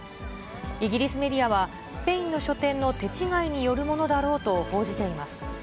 イギリスメディアは、スペインの書店の手違いによるものだろうと報じています。